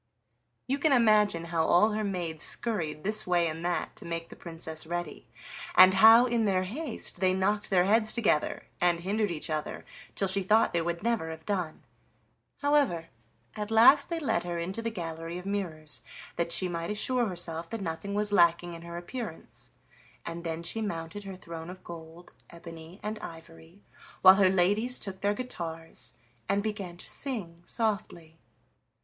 '" You can imagine how all her maids scurried this way and that to make the Princess ready, and how in their haste they knocked their heads together and hindered each other, till she thought they would never have done. However, at last they led her into the gallery of mirrors that she might assure herself that nothing was lacking in her appearance, and then she mounted her throne of gold, ebony, and ivory, while her ladies took their guitars and began to sing softly.